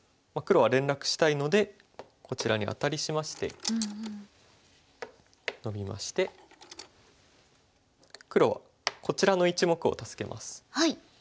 黒は連絡したいのでこちらにアタリしましてノビまして黒はこちらの１目を助けます。